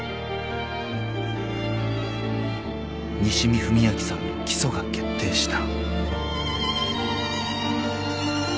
［西見文明さんの起訴が決定した］